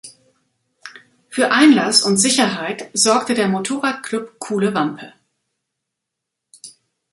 Für Einlass und Sicherheit sorgte der Motorradclub Kuhle Wampe.